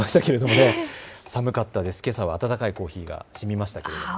けさは温かいコーヒーがしみました。